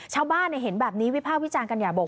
ชาวบ้านเนี่ยเห็นแบบนี้วิพากษ์วิจารณ์กันอยากบอก